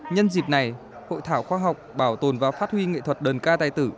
nhân dịp này hội thảo khoa học bảo tồn và phát huy nghệ thuật đơn ca tài tử